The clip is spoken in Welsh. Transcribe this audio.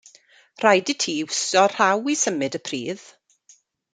Rhaid i ti iwsio rhaw i symud y pridd.